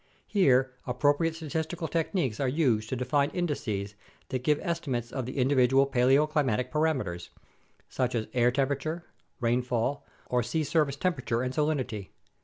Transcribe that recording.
Here appropriate statistical techniques are used to define indices that give estimates of the individual paleoclimatic parameters, such as air temperature, rainfall, or sea surface temperature and salinity.